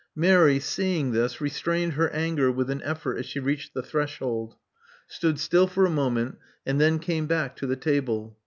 Mary, seeing this, restrained her anger with an effort as she reached the threshold; stood still for a moment ; and then came back to the table.